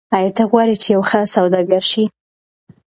آیا ته غواړې چې یو ښه سوداګر شې؟